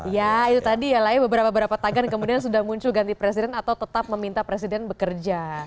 ya itu tadi ya lah ya beberapa beberapa tagan kemudian sudah muncul ganti presiden atau tetap meminta presiden bekerja